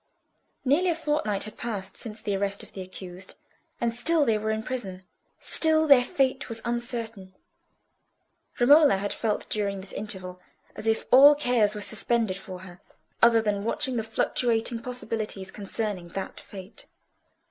Nearly a fortnight had passed since the arrest of the accused, and still they were in prison, still their fate was uncertain. Romola had felt during this interval as if all cares were suspended for her, other than watching the fluctuating probabilities concerning that fate.